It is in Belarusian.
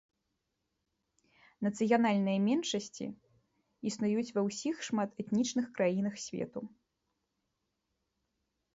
Нацыянальныя меншасці існуюць ва ўсіх шматэтнічных краінах свету.